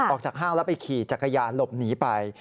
ออกจากห้างแล้วไปขี่จักรยานหลบหนีไป